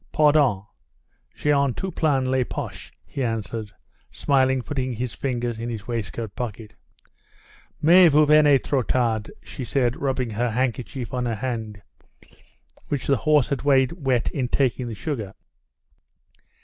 "Pardon, j'en ai tout plein les poches," he answered, smiling, putting his fingers in his waistcoat pocket. "Mais vous venez trop tard," she said, rubbing her handkerchief on her hand, which the horse had made wet in taking the sugar.